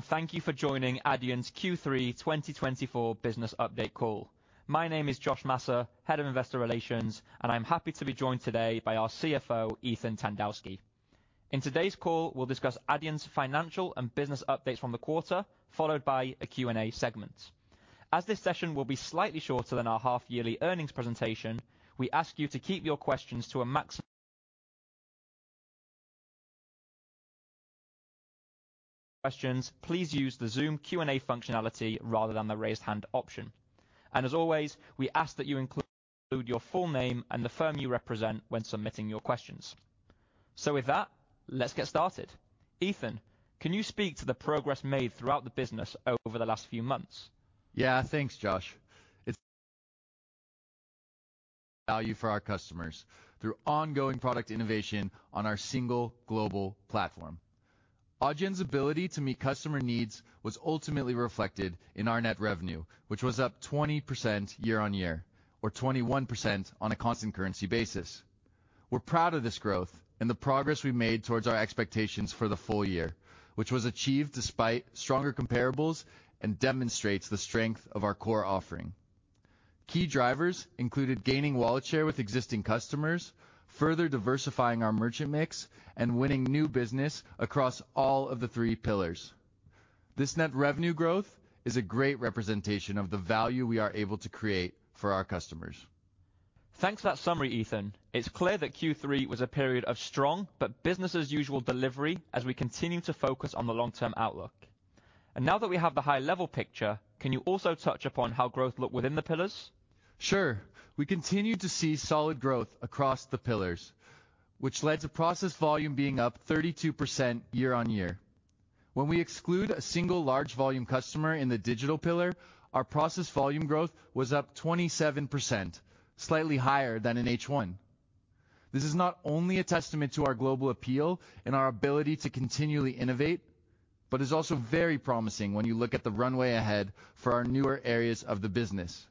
Thank you for joining Adyen's Q3 2024 business update call. My name is Josh Maser, Head of Investor Relations, and I'm happy to be joined today by our CFO, Ethan Tandowsky. In today's call, we'll discuss Adyen's financial and business updates from the quarter, followed by a Q&A segment. As this session will be slightly shorter than our half-yearly earnings presentation, we ask you to keep your questions to a maximum of one or two questions. Please use the Zoom Q&A functionality rather than the raised hand option. And as always, we ask that you include your full name and the firm you represent when submitting your questions. With that, let's get started. Ethan, can you speak to the progress made throughout the business over the last few months? Yeah, thanks, Josh. It's value for our customers through ongoing product innovation on our single global platform. Adyen's ability to meet customer needs was ultimately reflected in our net revenue, which was up 20% year on year, or 21% on a constant currency basis. We're proud of this growth and the progress we've made towards our expectations for the full year, which was achieved despite stronger comparables and demonstrates the strength of our core offering. Key drivers included gaining wallet share with existing customers, further diversifying our merchant mix, and winning new business across all of the three pillars. This net revenue growth is a great representation of the value we are able to create for our customers. Thanks for that summary, Ethan. It's clear that Q3 was a period of strong but business-as-usual delivery as we continue to focus on the long-term outlook, and now that we have the high-level picture, can you also touch upon how growth looked within the pillars? Sure. We continued to see solid growth across the pillars, which led to processed volume being up 32% year on year. When we exclude a single large-volume customer in the Digital pillar, our processed volume growth was up 27%, slightly higher than in H1. This is not only a testament to our global appeal and our ability to continually innovate, but is also very promising when you look at the runway ahead for our newer areas of the business.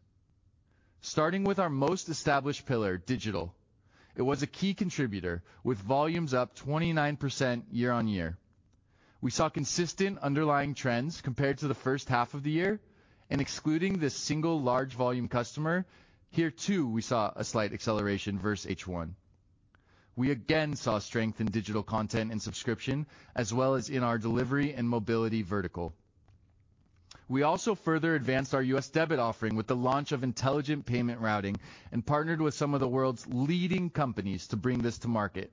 Starting with our most established pillar, Digital, it was a key contributor with volumes up 29% year on year. We saw consistent underlying trends compared to the first half of the year, and excluding this single large-volume customer, here too we saw a slight acceleration versus H1. We again saw strength in Digital content and subscription, as well as in our delivery and mobility vertical. We also further advanced our U.S. debit offering with the launch of Intelligent Payment Routing and partnered with some of the world's leading companies to bring this to market,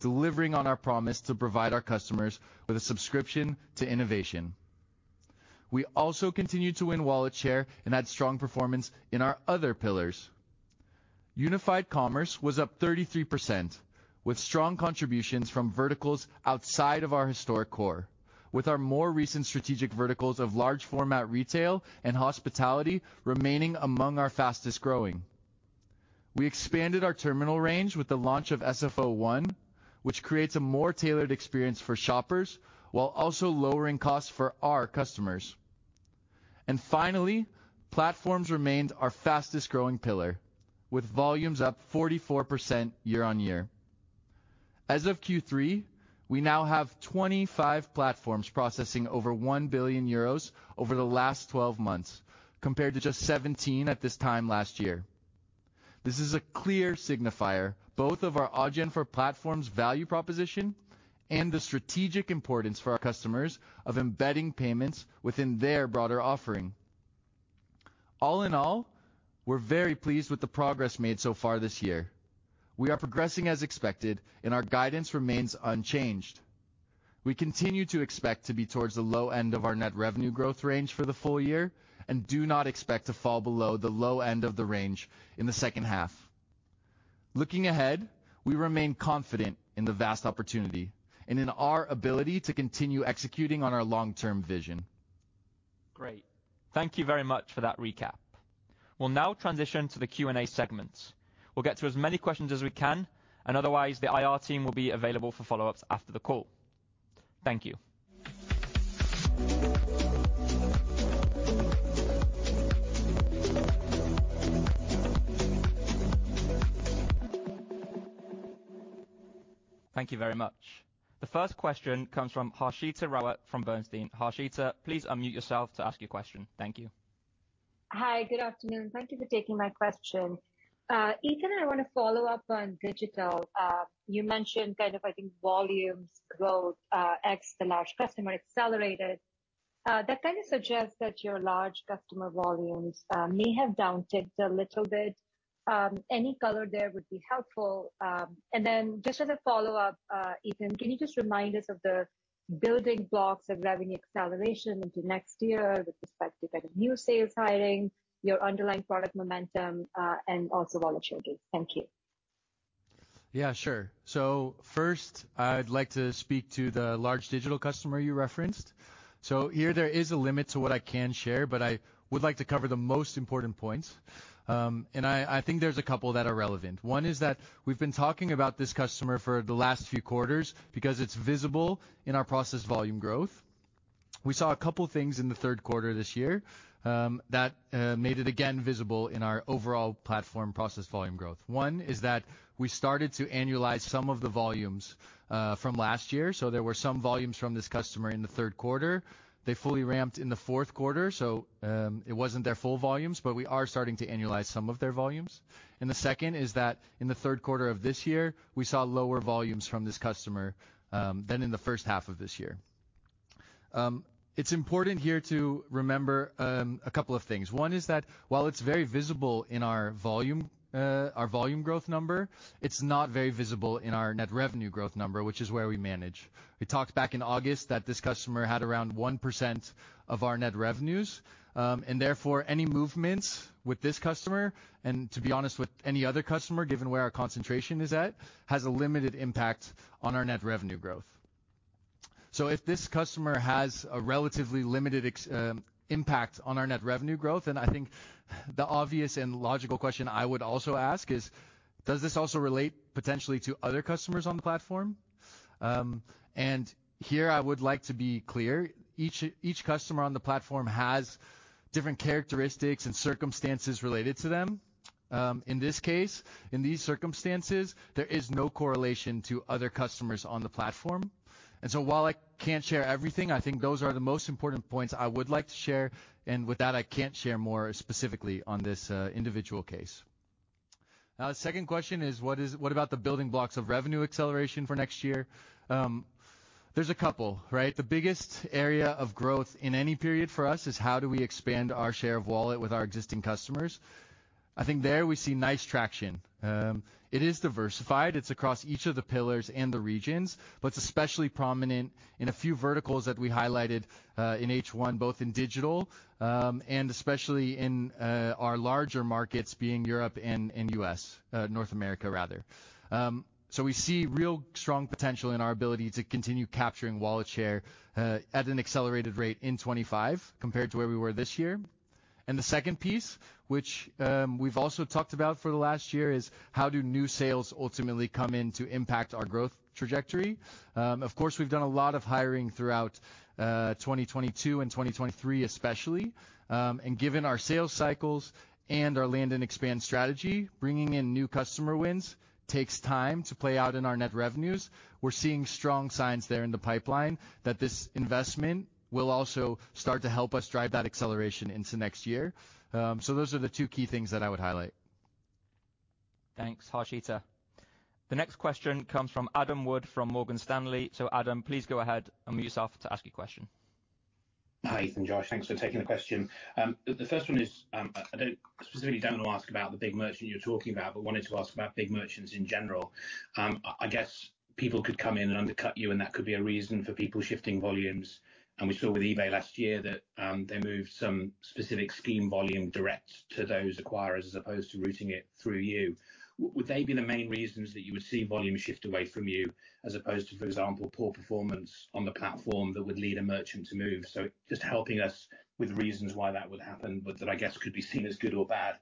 delivering on our promise to provide our customers with a subscription to innovation. We also continued to win wallet share and had strong performance in our other pillars. Unified Commerce was up 33%, with strong contributions from verticals outside of our historic core, with our more recent strategic verticals of large-format retail and hospitality remaining among our fastest growing. We expanded our terminal range with the launch of S1F2, which creates a more tailored experience for shoppers while also lowering costs for our customers. And finally, Platforms remained our fastest-growing pillar, with volumes up 44% year on year. As of Q3, we now have 25 platforms processing over 1 billion euros over the last 12 months, compared to just 17 at this time last year. This is a clear signifier of both our Adyen for Platforms' value proposition and the strategic importance for our customers of embedding payments within their broader offering. All in all, we're very pleased with the progress made so far this year. We are progressing as expected, and our guidance remains unchanged. We continue to expect to be towards the low end of our net revenue growth range for the full year and do not expect to fall below the low end of the range in the second half. Looking ahead, we remain confident in the vast opportunity and in our ability to continue executing on our long-term vision. Great. Thank you very much for that recap. We'll now transition to the Q&A segments. We'll get to as many questions as we can, and otherwise, the IR team will be available for follow-ups after the call. Thank you. Thank you very much. The first question comes from Harshita Rawat from Bernstein. Harshita, please unmute yourself to ask your question. Thank you. Hi, good afternoon. Thank you for taking my question. Ethan, I want to follow up on Digital. You mentioned kind of, I think, volumes growth, ex the large customer accelerated. That kind of suggests that your large customer volumes may have downticked a little bit. Any color there would be helpful. And then just as a follow-up, Ethan, can you just remind us of the building blocks of revenue acceleration into next year with respect to kind of new sales hiring, your underlying product momentum, and also wallet share? Thank you. Yeah, sure, so first, I'd like to speak to the large Digital customer you referenced. So here, there is a limit to what I can share, but I would like to cover the most important points, and I think there's a couple that are relevant. One is that we've been talking about this customer for the last few quarters because it's visible in our process volume growth. We saw a couple of things in the third quarter this year that made it, again, visible in our overall platform process volume growth. One is that we started to annualize some of the volumes from last year, so there were some volumes from this customer in the third quarter. They fully ramped in the fourth quarter, so it wasn't their full volumes, but we are starting to annualize some of their volumes. And the second is that in the third quarter of this year, we saw lower volumes from this customer than in the first half of this year. It's important here to remember a couple of things. One is that while it's very visible in our volume growth number, it's not very visible in our net revenue growth number, which is where we manage. We talked back in August that this customer had around 1% of our net revenues. And therefore, any movements with this customer, and to be honest with any other customer, given where our concentration is at, has a limited impact on our net revenue growth. So if this customer has a relatively limited impact on our net revenue growth, then I think the obvious and logical question I would also ask is, does this also relate potentially to other customers on the platform? Here, I would like to be clear. Each customer on the platform has different characteristics and circumstances related to them. In this case, in these circumstances, there is no correlation to other customers on the platform. So while I can't share everything, I think those are the most important points I would like to share. With that, I can't share more specifically on this individual case. Now, the second question is, what about the building blocks of revenue acceleration for next year? There's a couple, right? The biggest area of growth in any period for us is how do we expand our share of wallet with our existing customers. I think there we see nice traction. It is diversified. It's across each of the pillars and the regions, but it's especially prominent in a few verticals that we highlighted in H1, both in Digital and especially in our larger markets, being Europe and US, North America, rather. So we see real strong potential in our ability to continue capturing wallet share at an accelerated rate in 2025 compared to where we were this year. And the second piece, which we've also talked about for the last year, is how do new sales ultimately come in to impact our growth trajectory? Of course, we've done a lot of hiring throughout 2022 and 2023, especially. And given our sales cycles and our land and expand strategy, bringing in new customer wins takes time to play out in our net revenues. We're seeing strong signs there in the pipeline that this investment will also start to help us drive that acceleration into next year. So those are the two key things that I would highlight. Thanks, Harshita. The next question comes from Adam Wood from Morgan Stanley. So Adam, please go ahead and mute yourself to ask your question. Hi, Ethan, Josh. Thanks for taking the question. The first one is, I don't specifically don't want to ask about the big merchant you're talking about, but wanted to ask about big merchants in general. I guess people could come in and undercut you, and that could be a reason for people shifting volumes, and we saw with eBay last year that they moved some specific scheme volume direct to those acquirers as opposed to routing it through you. Would they be the main reasons that you would see volume shift away from you as opposed to, for example, poor performance on the platform that would lead a merchant to move? So just helping us with reasons why that would happen, but that I guess could be seen as good or bad.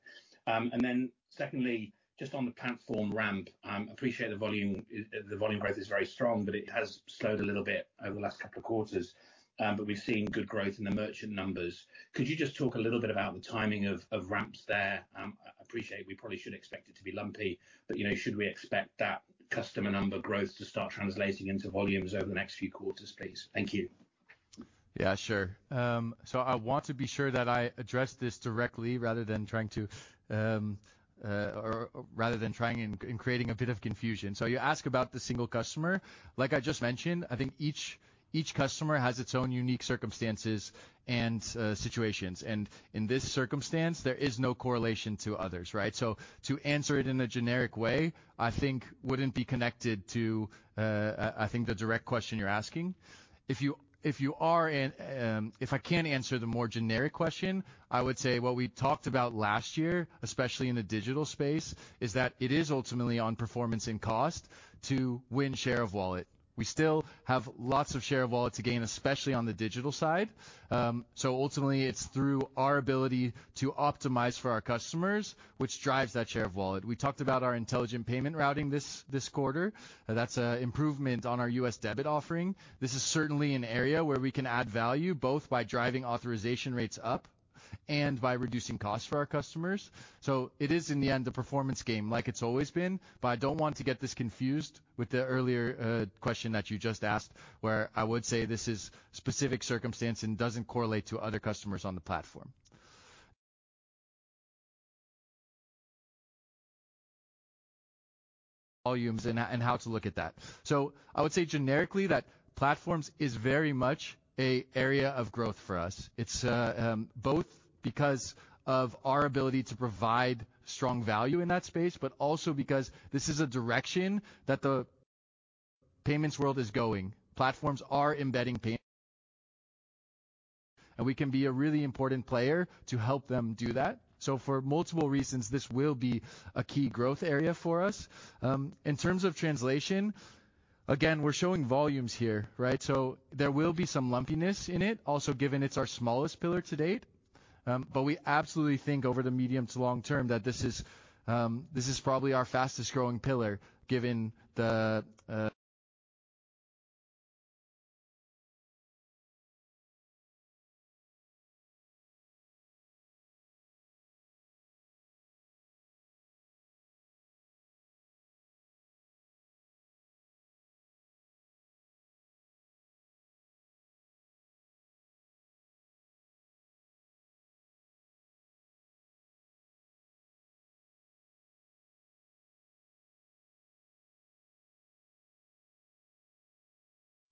And then secondly, just on the platform ramp, I appreciate the volume growth is very strong, but it has slowed a little bit over the last couple of quarters. But we've seen good growth in the merchant numbers. Could you just talk a little bit about the timing of ramps there? I appreciate we probably should expect it to be lumpy, but should we expect that customer number growth to start translating into volumes over the next few quarters, please? Thank you. Yeah, sure. So I want to be sure that I address this directly rather than trying and creating a bit of confusion. So you ask about the single customer. Like I just mentioned, I think each customer has its own unique circumstances and situations. And in this circumstance, there is no correlation to others, right? So to answer it in a generic way, I think wouldn't be connected to, I think, the direct question you're asking. If I can't answer the more generic question, I would say what we talked about last year, especially in the Digital space, is that it is ultimately on performance and cost to win share of wallet. We still have lots of share of wallet to gain, especially on the Digital side. So ultimately, it's through our ability to optimize for our customers, which drives that share of wallet. We talked about our Intelligent Payment Routing this quarter. That's an improvement on our U.S. debit offering. This is certainly an area where we can add value both by driving authorization rates up and by reducing costs for our customers. So it is, in the end, a performance game like it's always been, but I don't want to get this confused with the earlier question that you just asked, where I would say this is a specific circumstance and doesn't correlate to other customers on the platform. Volumes and how to look at that. So I would say generically that Platforms is very much an area of growth for us. It's both because of our ability to provide strong value in that space, but also because this is a direction that the payments world is going. Platforms are embedding payments, and we can be a really important player to help them do that. So for multiple reasons, this will be a key growth area for us. In terms of translation, again, we're showing volumes here, right? So there will be some lumpiness in it, also given it's our smallest pillar to date. But we absolutely think over the medium to long term that this is probably our fastest-growing pillar given the.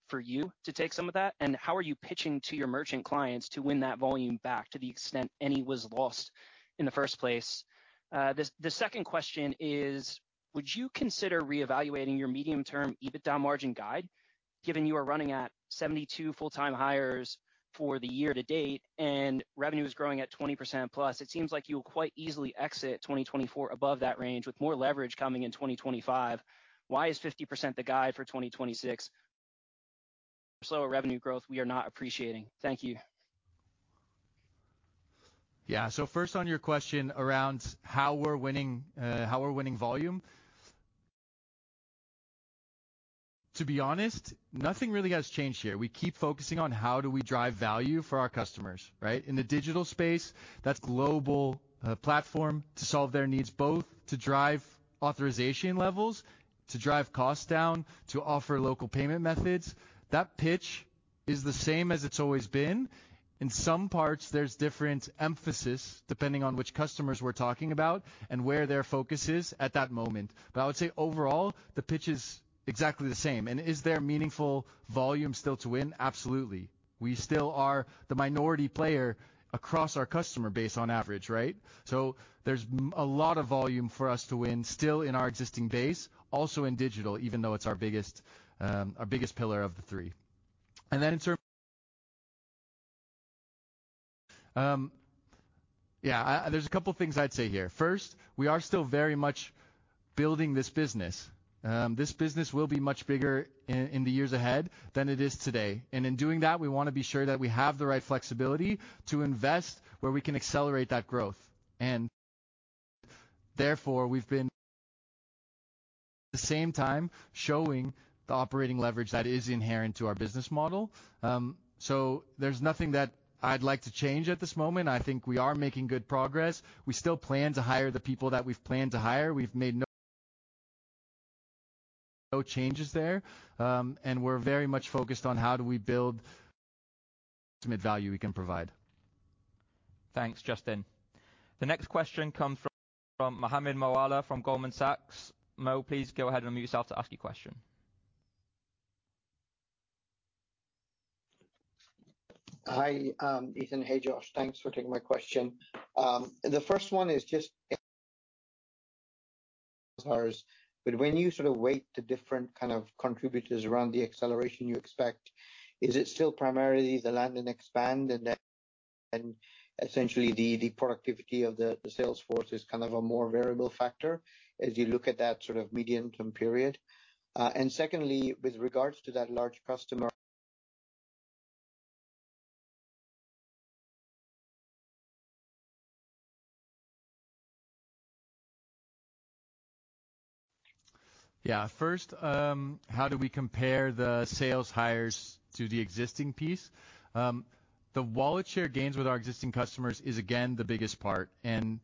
For you to take some of that? And how are you pitching to your merchant clients to win that volume back to the extent any was lost in the first place? The second question is, would you consider reevaluating your medium-term EBITDA margin guide? Given you are running at 72 full-time hires for the year to date and revenue is growing at 20% plus, it seems like you'll quite easily exit 2024 above that range with more leverage coming in 2025. Why is 50% the guide for 2026? Slower revenue growth we are not appreciating. Thank you. Yeah. So first on your question around how we're winning volume, to be honest, nothing really has changed here. We keep focusing on how do we drive value for our customers, right? In the Digital space, that's global platform to solve their needs, both to drive authorization levels, to drive costs down, to offer local payment methods. That pitch is the same as it's always been. In some parts, there's different emphasis depending on which customers we're talking about and where their focus is at that moment. But I would say overall, the pitch is exactly the same. And is there meaningful volume still to win? Absolutely. We still are the minority player across our customer base on average, right? So there's a lot of volume for us to win still in our existing base, also in Digital, even though it's our biggest pillar of the three. And then in terms. Yeah, there's a couple of things I'd say here. First, we are still very much building this business. This business will be much bigger in the years ahead than it is today. And in doing that, we want to be sure that we have the right flexibility to invest where we can accelerate that growth. And therefore, we've been at the same time showing the operating leverage that is inherent to our business model. So there's nothing that I'd like to change at this moment. I think we are making good progress. We still plan to hire the people that we've planned to hire. We've made no changes there. And we're very much focused on how do we build the ultimate value we can provide. Thanks, Justin. The next question comes from Mohammed Moawalla from Goldman Sachs. Mo, please go ahead and mute yourself to ask your question. Hi, Ethan. Hey, Josh. Thanks for taking my question. The first one is just as far as when you sort of weight the different kind of contributors around the acceleration you expect, is it still primarily the land and expand and then essentially the productivity of the sales force is kind of a more variable factor as you look at that sort of medium-term period? And secondly, with regards to that large customer. Yeah. First, how do we compare the sales hires to the existing base? The wallet share gains with our existing customers is, again, the biggest part. And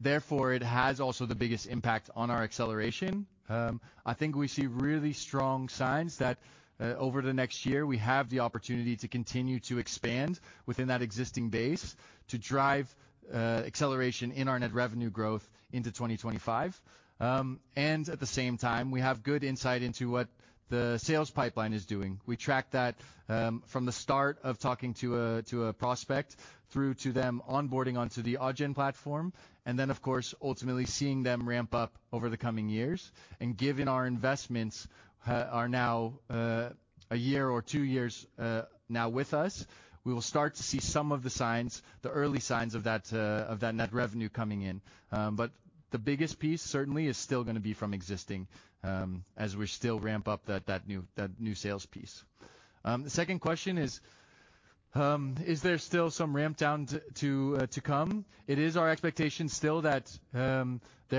therefore, it has also the biggest impact on our acceleration. I think we see really strong signs that over the next year, we have the opportunity to continue to expand within that existing base to drive acceleration in our net revenue growth into 2025. And at the same time, we have good insight into what the sales pipeline is doing. We track that from the start of talking to a prospect through to them onboarding onto the Adyen platform. And then, of course, ultimately seeing them ramp up over the coming years. Given our investments are now a year or two years now with us, we will start to see some of the signs, the early signs of that net revenue coming in. But the biggest piece certainly is still going to be from existing as we still ramp up that new sales piece. The second question is, is there still some ramp down to come? It is our expectation still that there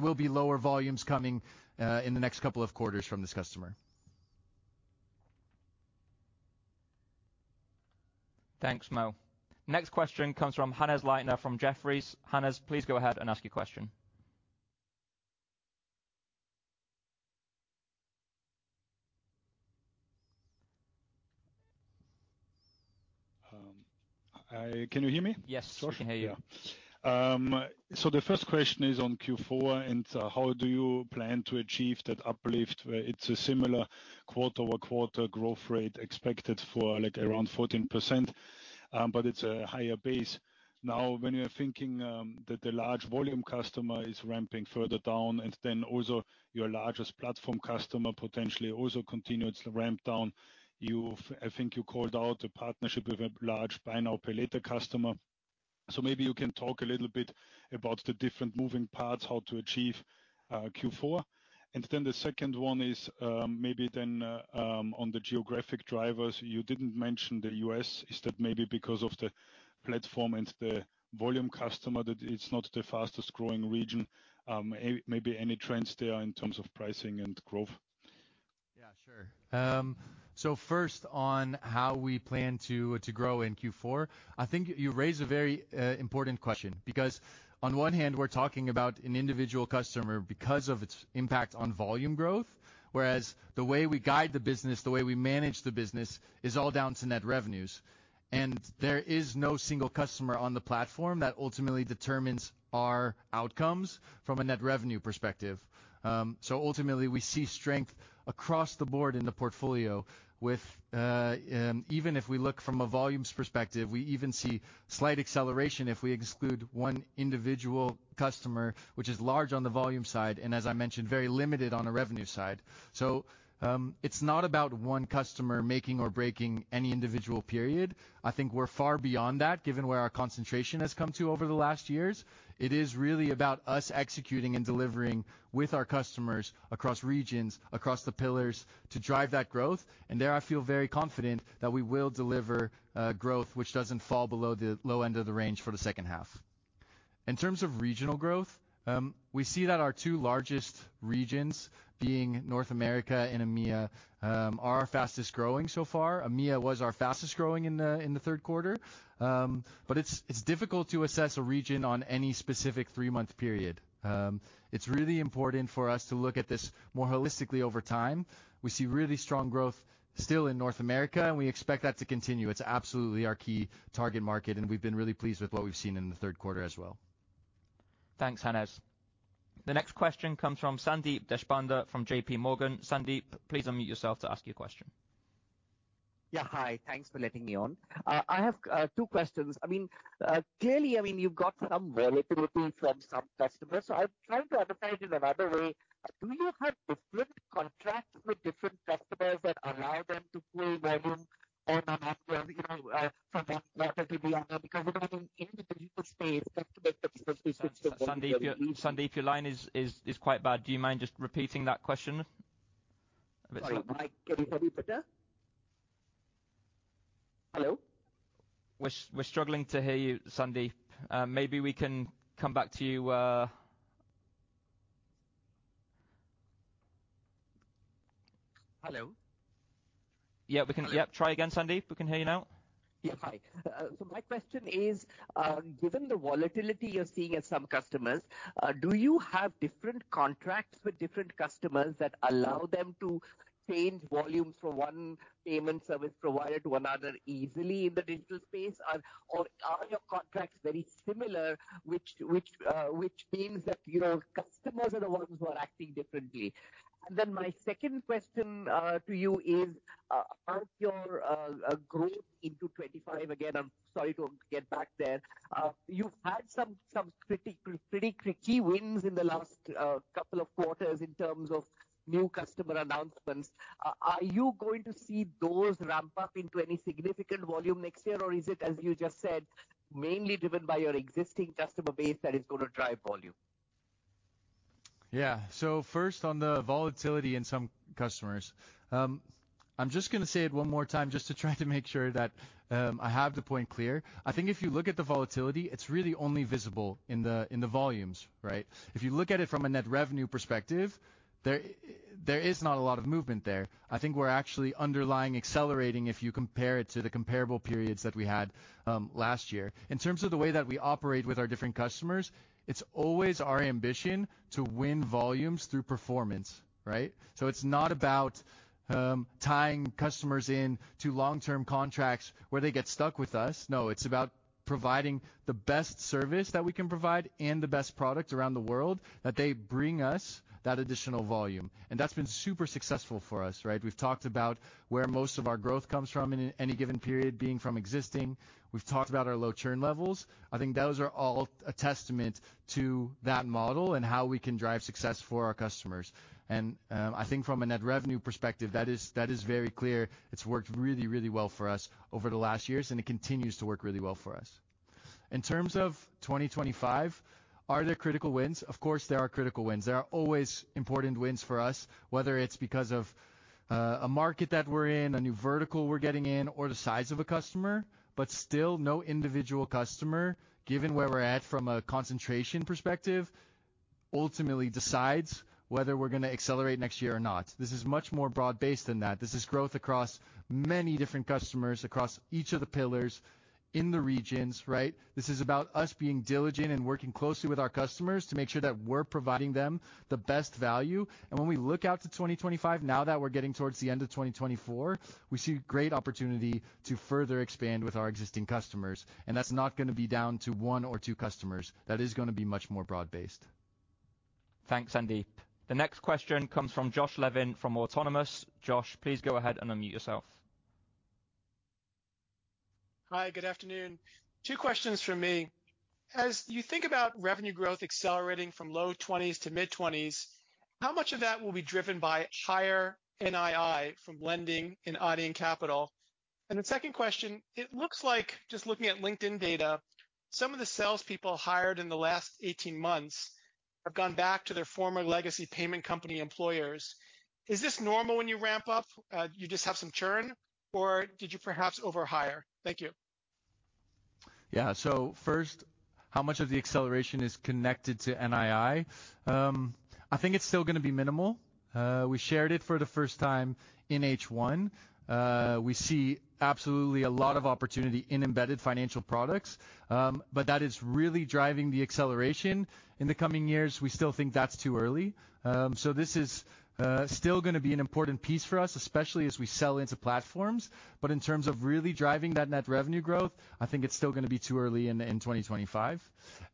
will be lower volumes coming in the next couple of quarters from this customer. Thanks, Mo. Next question comes from Hannes Leitner from Jefferies. Hannes, please go ahead and ask your question. Can you hear me? Yes, we can hear you. So the first question is on Q4 and how do you plan to achieve that uplift where it's a similar quarter-over-quarter growth rate expected for around 14%, but it's a higher base? Now, when you're thinking that the large volume customer is ramping further down and then also your largest platform customer potentially also continues to ramp down, I think you called out a partnership with a large buy now pay later customer. So maybe you can talk a little bit about the different moving parts, how to achieve Q4. And then the second one is maybe then on the geographic drivers. You didn't mention the U.S. Is that maybe because of the platform and the volume customer that it's not the fastest-growing region? Maybe any trends there in terms of pricing and growth? Yeah, sure. So, first on how we plan to grow in Q4, I think you raise a very important question because on one hand, we're talking about an individual customer because of its impact on volume growth, whereas the way we guide the business, the way we manage the business is all down to net revenues. And there is no single customer on the platform that ultimately determines our outcomes from a net revenue perspective. So ultimately, we see strength across the board in the portfolio. Even if we look from a volumes perspective, we even see slight acceleration if we exclude one individual customer, which is large on the volume side and, as I mentioned, very limited on a revenue side. So it's not about one customer making or breaking any individual period. I think we're far beyond that given where our concentration has come to over the last years. It is really about us executing and delivering with our customers across regions, across the pillars to drive that growth, and there I feel very confident that we will deliver growth which doesn't fall below the low end of the range for the second half. In terms of regional growth, we see that our two largest regions, being North America and EMEA, are our fastest growing so far. EMEA was our fastest growing in the third quarter, but it's difficult to assess a region on any specific three-month period. It's really important for us to look at this more holistically over time. We see really strong growth still in North America, and we expect that to continue. It's absolutely our key target market, and we've been really pleased with what we've seen in the third quarter as well. Thanks, Hannes. The next question comes from Sandeep Deshpande from JPMorgan. Sandeep, please unmute yourself to ask your question. Yeah, hi. Thanks for letting me on. I have two questions. I mean, clearly, I mean, you've got some volatility from some customers. So I'm trying to understand it in another way. Do you have different contracts with different customers that allow them to pull volume on and off from one quarter to the other? Because in the Digital space, customer expectations are so high. Sandeep, your line is quite bad. Do you mind just repeating that question? Sorry, Mike, can you hear me better? Hello? We're struggling to hear you, Sandeep. Maybe we can come back to you. Hello. Yeah, try again, Sandeep. We can hear you now. Yeah, hi. So my question is, given the volatility you're seeing at some customers, do you have different contracts with different customers that allow them to change volumes from one payment service provider to another easily in the Digital space? Or are your contracts very similar, which means that customers are the ones who are acting differently? And then my second question to you is, how's your growth into 2025? Again, I'm sorry to get back there. You've had some pretty tricky wins in the last couple of quarters in terms of new customer announcements. Are you going to see those ramp up into any significant volume next year, or is it, as you just said, mainly driven by your existing customer base that is going to drive volume? Yeah. So first on the volatility in some customers, I'm just going to say it one more time just to try to make sure that I have the point clear. I think if you look at the volatility, it's really only visible in the volumes, right? If you look at it from a net revenue perspective, there is not a lot of movement there. I think we're actually underlying accelerating if you compare it to the comparable periods that we had last year. In terms of the way that we operate with our different customers, it's always our ambition to win volumes through performance, right? So it's not about tying customers in to long-term contracts where they get stuck with us. No, it's about providing the best service that we can provide and the best product around the world that they bring us that additional volume. That's been super successful for us, right? We've talked about where most of our growth comes from in any given period being from existing. We've talked about our low churn levels. I think those are all a testament to that model and how we can drive success for our customers. I think from a net revenue perspective, that is very clear. It's worked really, really well for us over the last years, and it continues to work really well for us. In terms of 2025, are there critical wins? Of course, there are critical wins. There are always important wins for us, whether it's because of a market that we're in, a new vertical we're getting in, or the size of a customer. Still, no individual customer, given where we're at from a concentration perspective, ultimately decides whether we're going to accelerate next year or not. This is much more broad-based than that. This is growth across many different customers across each of the pillars in the regions, right? This is about us being diligent and working closely with our customers to make sure that we're providing them the best value. And when we look out to 2025, now that we're getting towards the end of 2024, we see great opportunity to further expand with our existing customers. And that's not going to be down to one or two customers. That is going to be much more broad-based. Thanks, Sandeep. The next question comes from Josh Levin from Autonomous. Josh, please go ahead and unmute yourself. Hi, good afternoon. Two questions for me. As you think about revenue growth accelerating from low 20s to mid-20s, how much of that will be driven by higher NII from lending and Adyen Capital? And the second question, it looks like just looking at LinkedIn data, some of the salespeople hired in the last 18 months have gone back to their former legacy payment company employers. Is this normal when you ramp up? You just have some churn, or did you perhaps overhire? Thank you. Yeah. So first, how much of the acceleration is connected to NII? I think it's still going to be minimal. We shared it for the first time in H1. We see absolutely a lot of opportunity in embedded financial products, but that is really driving the acceleration. In the coming years, we still think that's too early. So this is still going to be an important piece for us, especially as we sell into Platforms. But in terms of really driving that net revenue growth, I think it's still going to be too early in 2025.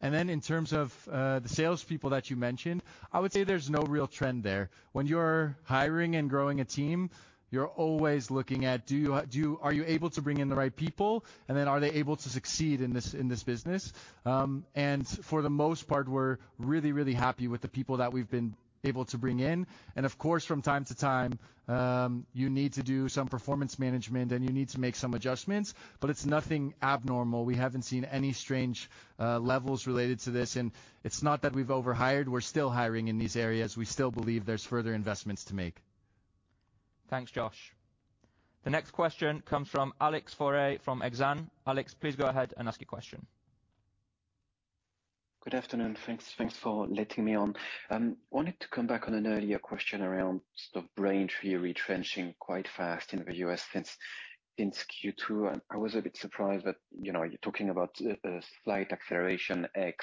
And then in terms of the salespeople that you mentioned, I would say there's no real trend there. When you're hiring and growing a team, you're always looking at, are you able to bring in the right people, and then are they able to succeed in this business? And for the most part, we're really, really happy with the people that we've been able to bring in. And of course, from time to time, you need to do some performance management, and you need to make some adjustments. But it's nothing abnormal. We haven't seen any strange levels related to this. And it's not that we've overhired. We're still hiring in these areas. We still believe there's further investments to make. Thanks, Josh. The next question comes from Alex Faure from Exane. Alex, please go ahead and ask your question. Good afternoon. Thanks for letting me on. I wanted to come back on an earlier question around the Braintree retrenching quite fast in the US since Q2. I was a bit surprised that you're talking about a slight acceleration at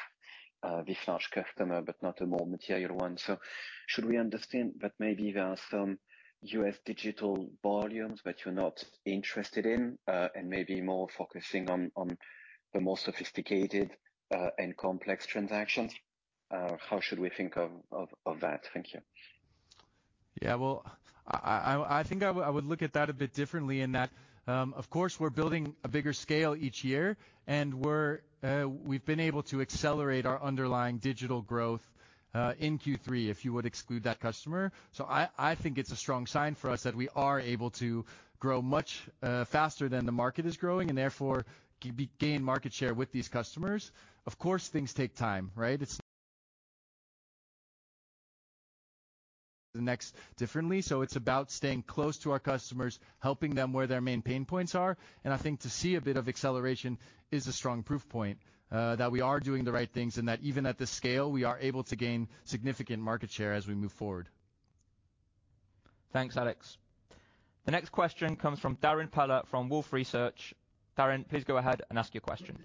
this large customer, but not a more material one. So should we understand that maybe there are some US Digital volumes that you're not interested in and maybe more focusing on the more sophisticated and complex transactions? How should we think of that? Thank you. Yeah, well, I think I would look at that a bit differently in that, of course, we're building a bigger scale each year, and we've been able to accelerate our underlying Digital growth in Q3 if you would exclude that customer. So I think it's a strong sign for us that we are able to grow much faster than the market is growing and therefore gain market share with these customers. Of course, things take time, right? Think differently. So it's about staying close to our customers, helping them where their main pain points are. And I think to see a bit of acceleration is a strong proof point that we are doing the right things and that even at this scale, we are able to gain significant market share as we move forward. Thanks, Alex. The next question comes from Darrin Peller from Wolfe Research. Darrin, please go ahead and ask your question.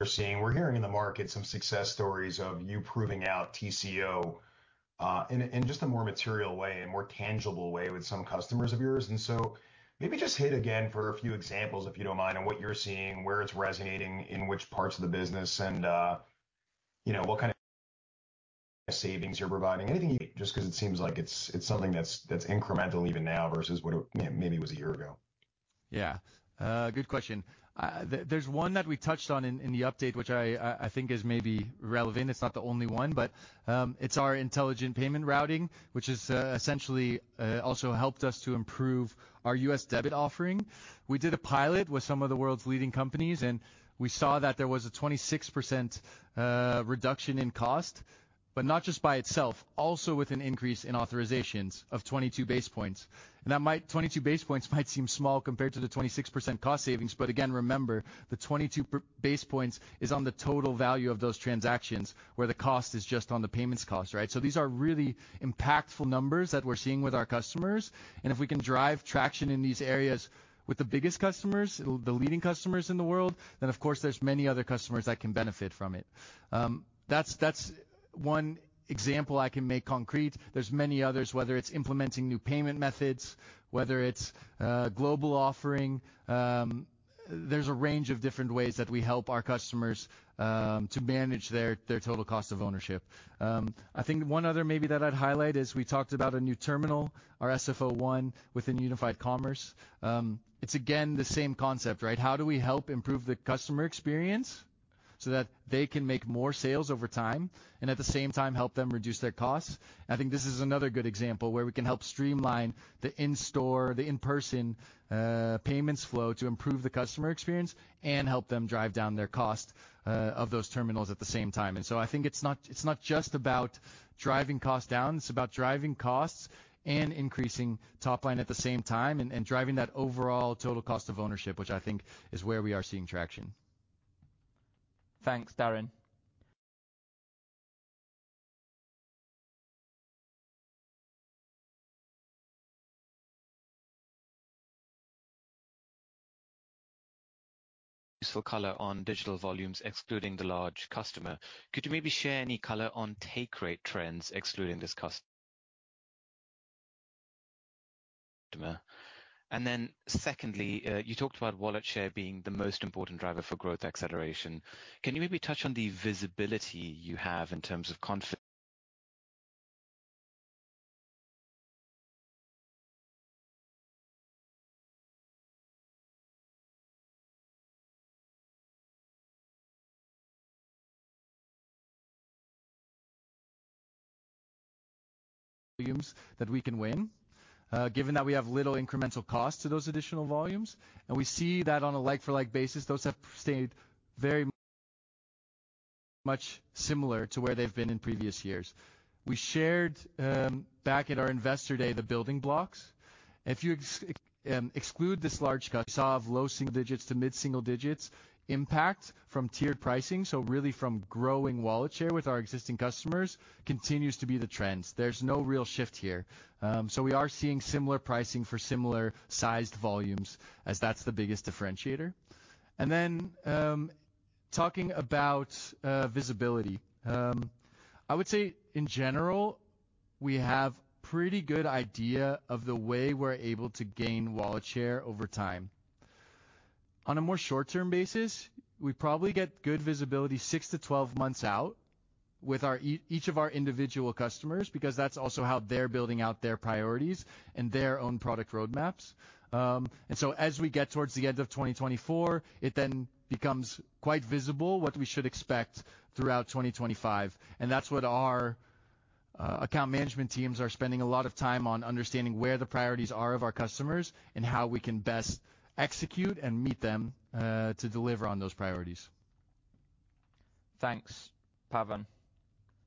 We're hearing in the market some success stories of you proving out TCO in just a more material way, a more tangible way with some customers of yours. And so maybe just hit again for a few examples, if you don't mind, on what you're seeing, where it's resonating, in which parts of the business, and what kind of savings you're providing. Anything you just because it seems like it's something that's incremental even now versus what it maybe was a year ago. Yeah. Good question. There's one that we touched on in the update, which I think is maybe relevant. It's not the only one, but it's our Intelligent Payment Routing, which has essentially also helped us to improve our US debit offering. We did a pilot with some of the world's leading companies, and we saw that there was a 26% reduction in cost, but not just by itself, also with an increase in authorizations of 22 basis points. And that 22 basis points might seem small compared to the 26% cost savings, but again, remember, the 22 basis points is on the total value of those transactions where the cost is just on the payments cost, right? So these are really impactful numbers that we're seeing with our customers. If we can drive traction in these areas with the biggest customers, the leading customers in the world, then of course, there's many other customers that can benefit from it. That's one example I can make concrete. There's many others, whether it's implementing new payment methods, whether it's global offering. There's a range of different ways that we help our customers to manage their total cost of ownership. I think one other maybe that I'd highlight is we talked about a new terminal, our SFO1 within Unified Commerce. It's again the same concept, right? How do we help improve the customer experience so that they can make more sales over time and at the same time help them reduce their costs? I think this is another good example where we can help streamline the in-store, the in-person payments flow to improve the customer experience and help them drive down their cost of those terminals at the same time, and so I think it's not just about driving costs down. It's about driving costs and increasing top line at the same time and driving that overall total cost of ownership, which I think is where we are seeing traction. Thanks, Darrin. Useful color on Digital volumes, excluding the large customer. Could you maybe share any color on take rate trends, excluding this customer? And then secondly, you talked about wallet share being the most important driver for growth acceleration. Can you maybe touch on the visibility you have in terms of confidence? Volumes that we can win, given that we have little incremental costs to those additional volumes, and we see that on a like-for-like basis, those have stayed very much similar to where they've been in previous years. We shared back at our investor day the building blocks. If you exclude this large cut, you saw of low single digits to mid-single digits impact from tiered pricing, so really from growing wallet share with our existing customers, continues to be the trends. There's no real shift here, so we are seeing similar pricing for similar-sized volumes as that's the biggest differentiator, and then talking about visibility, I would say in general, we have a pretty good idea of the way we're able to gain wallet share over time. On a more short-term basis, we probably get good visibility 6 to 12 months out with each of our individual customers because that's also how they're building out their priorities and their own product roadmaps. And so as we get towards the end of 2024, it then becomes quite visible what we should expect throughout 2025. And that's what our account management teams are spending a lot of time on understanding where the priorities are of our customers and how we can best execute and meet them to deliver on those priorities. Thanks, Pavan.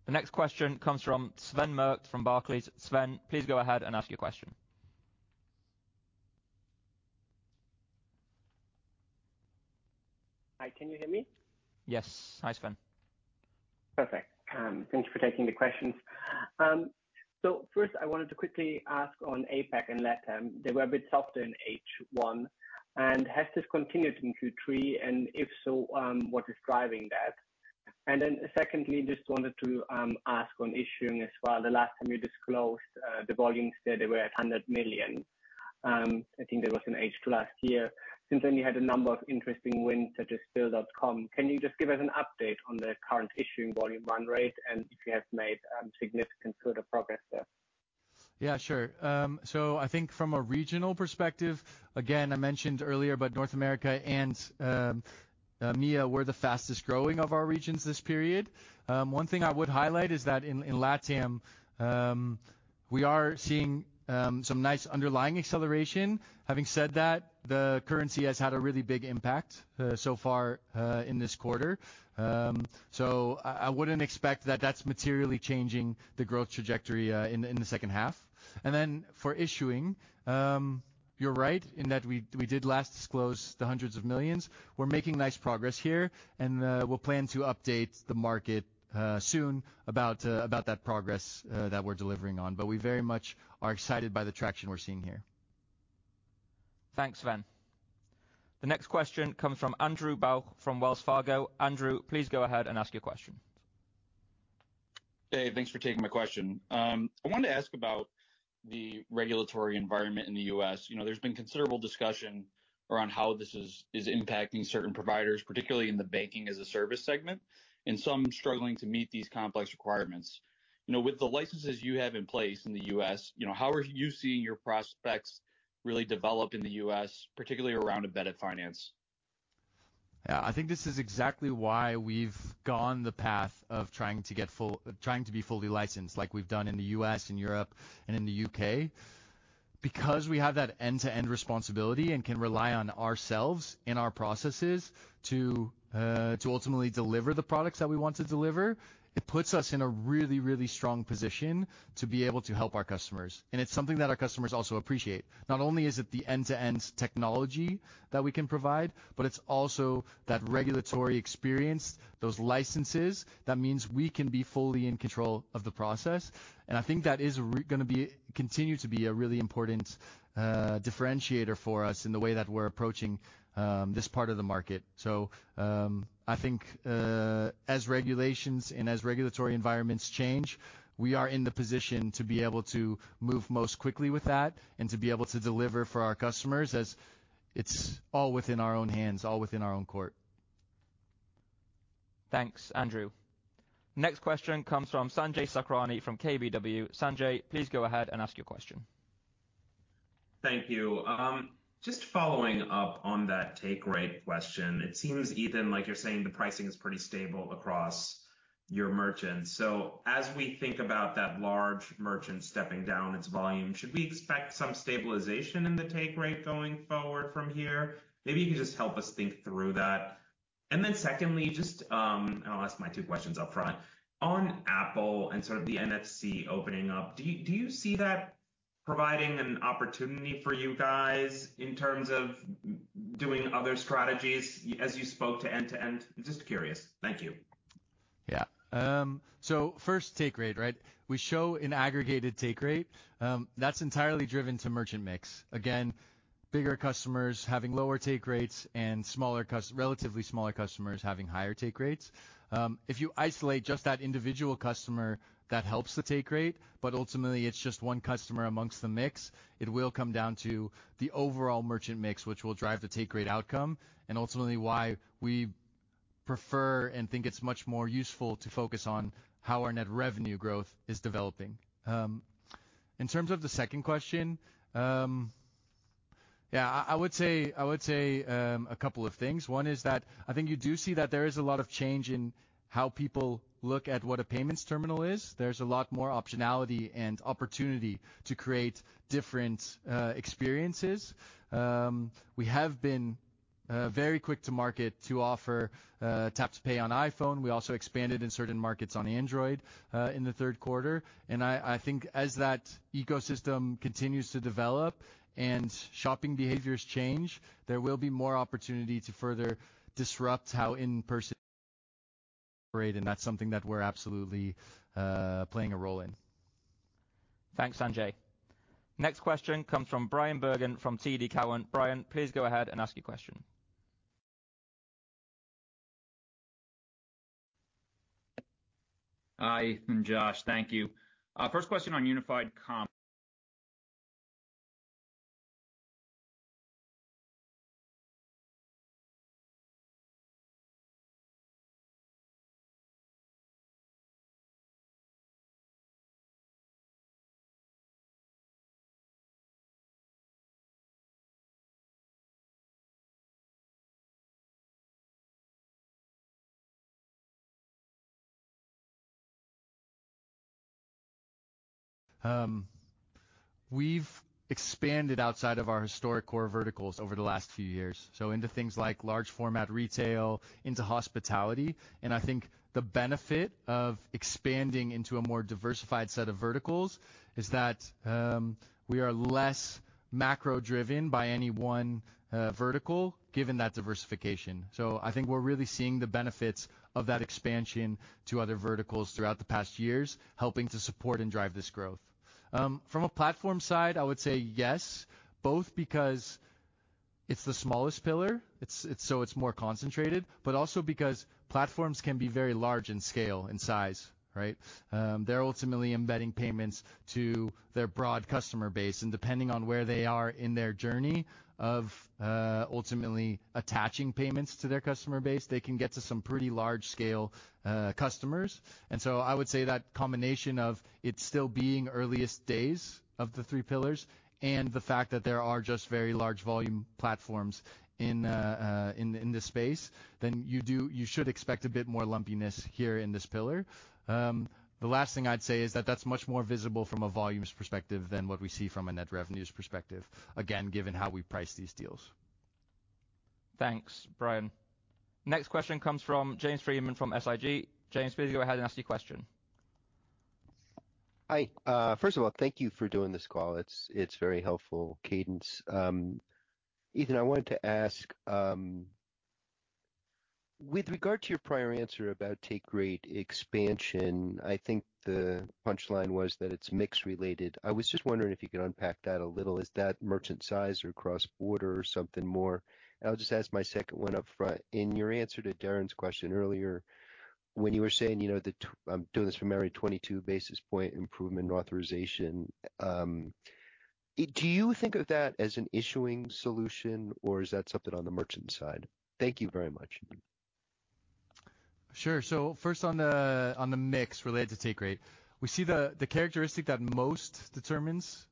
The next question comes from Sven Merkt from Barclays. Sven, please go ahead and ask your question. Hi, can you hear me? Yes. Hi, Sven. Perfect. Thanks for taking the questions. So first, I wanted to quickly ask on APAC and LATAM. They were a bit softer in H1. And has this continued in Q3? And if so, what is driving that? And then secondly, just wanted to ask on issuing as well. The last time you disclosed the volumes there, they were at 100 million. I think that was in H2 last year. Since then you had a number of interesting wins such as Bill.com. Can you just give us an update on the current issuing volume run rate and if you have made significant further progress there? Yeah, sure. So I think from a regional perspective, again, I mentioned earlier about North America and EMEA were the fastest growing of our regions this period. One thing I would highlight is that in LATAM, we are seeing some nice underlying acceleration. Having said that, the currency has had a really big impact so far in this quarter. So I wouldn't expect that that's materially changing the growth trajectory in the second half. And then for issuing, you're right in that we did last disclose the hundreds of millions. We're making nice progress here, and we'll plan to update the market soon about that progress that we're delivering on. But we very much are excited by the traction we're seeing here. Thanks, Sven. The next question comes from Andrew Bauch from Wells Fargo. Andrew, please go ahead and ask your question. Hey, thanks for taking my question. I wanted to ask about the regulatory environment in the U.S. There's been considerable discussion around how this is impacting certain providers, particularly in the banking-as-a-service segment, and some struggling to meet these complex requirements. With the licenses you have in place in the U.S., how are you seeing your prospects really develop in the U.S., particularly around embedded finance? Yeah, I think this is exactly why we've gone the path of trying to be fully licensed like we've done in the US, in Europe, and in the UK. Because we have that end-to-end responsibility and can rely on ourselves in our processes to ultimately deliver the products that we want to deliver, it puts us in a really, really strong position to be able to help our customers. And it's something that our customers also appreciate. Not only is it the end-to-end technology that we can provide, but it's also that regulatory experience, those licenses. That means we can be fully in control of the process. And I think that is going to continue to be a really important differentiator for us in the way that we're approaching this part of the market. So I think as regulations and as regulatory environments change, we are in the position to be able to move most quickly with that and to be able to deliver for our customers as it's all within our own hands, all within our own court. Thanks, Andrew. Next question comes from Sanjay Sakrani from KBW. Sanjay, please go ahead and ask your question. Thank you. Just following up on that take rate question, it seems, Ethan, like you're saying, the pricing is pretty stable across your merchants. So as we think about that large merchant stepping down its volume, should we expect some stabilization in the take rate going forward from here? Maybe you can just help us think through that. And then secondly, just I'll ask my two questions upfront. On Apple and sort of the NFC opening up, do you see that providing an opportunity for you guys in terms of doing other strategies as you spoke to end-to-end? Just curious. Thank you. Yeah. So first, take rate, right? We show an aggregated take rate. That's entirely driven by merchant mix. Again, bigger customers having lower take rates and relatively smaller customers having higher take rates. If you isolate just that individual customer, that helps the take rate, but ultimately it's just one customer amongst the mix, it will come down to the overall merchant mix, which will drive the take rate outcome and ultimately why we prefer and think it's much more useful to focus on how our net revenue growth is developing. In terms of the second question, yeah, I would say a couple of things. One is that I think you do see that there is a lot of change in how people look at what a payments terminal is. There's a lot more optionality and opportunity to create different experiences. We have been very quick to market to offer Tap to Pay on iPhone. We also expanded in certain markets on Android in the third quarter. And I think as that ecosystem continues to develop and shopping behaviors change, there will be more opportunity to further disrupt how in-person operate. And that's something that we're absolutely playing a role in. Thanks, Sanjay. Next question comes from Bryan Bergin from TD Cowen. Bryan, please go ahead and ask your question. Hi, Ethan, Josh. Thank you. First question on Unified Commerce. We've expanded outside of our historic core verticals over the last few years, so into things like large-format retail, into hospitality. And I think the benefit of expanding into a more diversified set of verticals is that we are less macro-driven by any one vertical given that diversification. So I think we're really seeing the benefits of that expansion to other verticals throughout the past years, helping to support and drive this growth. From a platform side, I would say yes, both because it's the smallest pillar, so it's more concentrated, but also because Platforms can be very large in scale and size, right? They're ultimately embedding payments to their broad customer base. And depending on where they are in their journey of ultimately attaching payments to their customer base, they can get to some pretty large-scale customers. And so I would say that combination of it still being earliest days of the three pillars and the fact that there are just very large volume Platforms in this space, then you should expect a bit more lumpiness here in this pillar. The last thing I'd say is that that's much more visible from a volumes perspective than what we see from a net revenues perspective, again, given how we price these deals. Thanks, Bryan. Next question comes from James Friedman from SIG. James, please go ahead and ask your question. Hi. First of all, thank you for doing this call. It's very helpful cadence. Ethan, I wanted to ask, with regard to your prior answer about take rate expansion, I think the punchline was that it's mixed related. I was just wondering if you could unpack that a little. Is that merchant size or cross-border or something more? And I'll just ask my second one upfront. In your answer to Darren's question earlier, when you were saying I'm doing this from every 22 basis point improvement authorization, do you think of that as an issuing solution, or is that something on the merchant side? Thank you very much. Sure. So first, on the mix related to take rate, we see the characteristic that most determines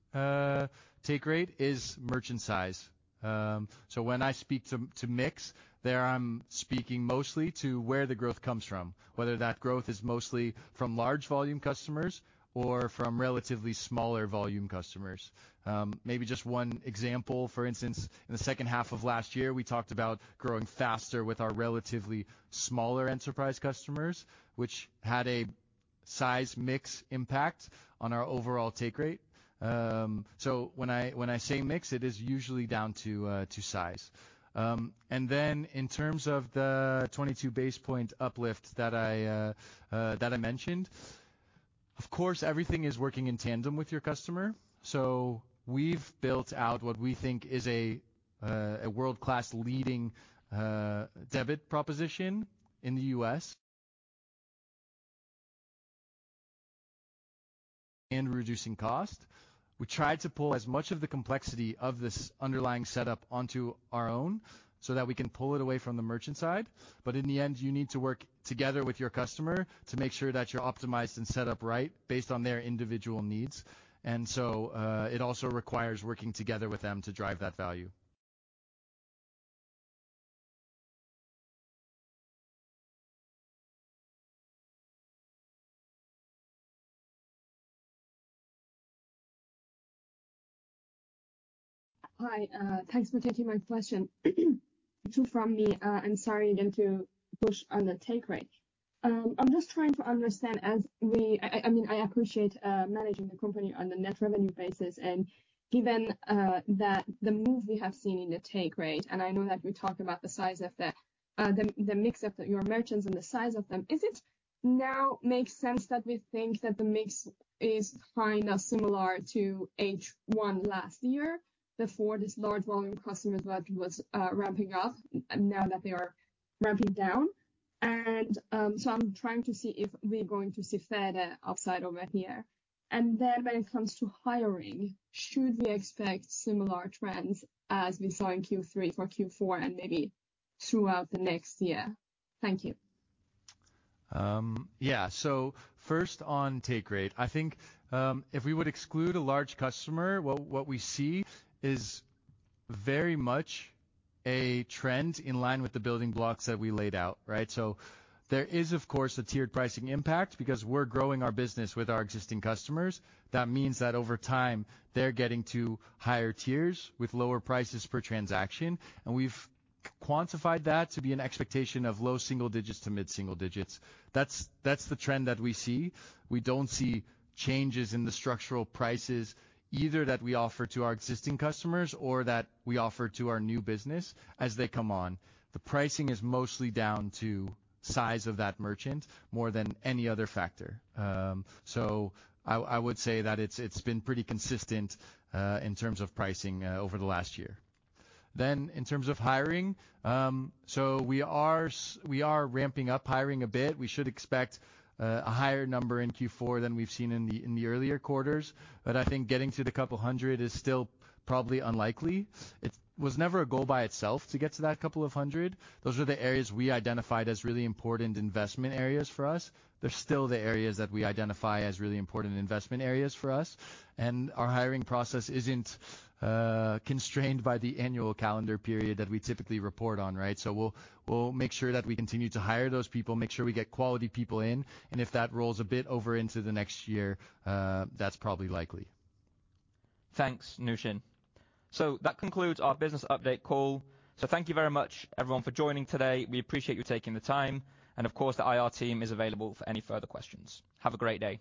take rate is merchant size. So when I speak to mix, there I'm speaking mostly to where the growth comes from, whether that growth is mostly from large volume customers or from relatively smaller volume customers. Maybe just one example, for instance, in the second half of last year, we talked about growing faster with our relatively smaller enterprise customers, which had a size mix impact on our overall take rate. So when I say mix, it is usually down to size. And then in terms of the 22 basis point uplift that I mentioned, of course, everything is working in tandem with your customer. So we've built out what we think is a world-class leading debit proposition in the U.S. and reducing cost. We tried to pull as much of the complexity of this underlying setup onto our own so that we can pull it away from the merchant side. But in the end, you need to work together with your customer to make sure that you're optimized and set up right based on their individual needs. And so it also requires working together with them to drive that value. Hi. Thanks for taking my question. From me, I'm sorry again to push on the take rate. I'm just trying to understand, I mean, I appreciate managing the company on the net revenue basis. And given that the move we have seen in the take rate, and I know that we talked about the size of the mix of your merchants and the size of them, is it now makes sense that we think that the mix is kind of similar to H1 last year before this large volume customers was ramping up now that they are ramping down? And so I'm trying to see if we're going to see further upside over here. And then when it comes to hiring, should we expect similar trends as we saw in Q3 for Q4 and maybe throughout the next year? Thank you. Yeah. So first on take rate, I think if we would exclude a large customer, what we see is very much a trend in line with the building blocks that we laid out, right? So there is, of course, a tiered pricing impact because we're growing our business with our existing customers. That means that over time, they're getting to higher tiers with lower prices per transaction. And we've quantified that to be an expectation of low single digits to mid-single digits. That's the trend that we see. We don't see changes in the structural prices either that we offer to our existing customers or that we offer to our new business as they come on. The pricing is mostly down to size of that merchant more than any other factor. So I would say that it's been pretty consistent in terms of pricing over the last year. Then in terms of hiring, so we are ramping up hiring a bit. We should expect a higher number in Q4 than we've seen in the earlier quarters. But I think getting to the couple hundred is still probably unlikely. It was never a goal by itself to get to that couple of hundred. Those are the areas we identified as really important investment areas for us. They're still the areas that we identify as really important investment areas for us. And our hiring process isn't constrained by the annual calendar period that we typically report on, right? So we'll make sure that we continue to hire those people, make sure we get quality people in. And if that rolls a bit over into the next year, that's probably likely. Thanks, Nooshin. So that concludes our business update call. So thank you very much, everyone, for joining today. We appreciate you taking the time. And of course, the IR team is available for any further questions. Have a great day.